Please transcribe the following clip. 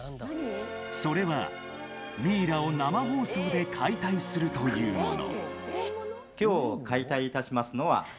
それは、ミイラを生放送で解体するというもの。